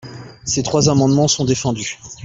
Ces trois amendements sont défendus.